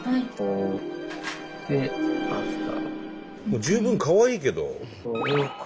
もう十分かわいいけど。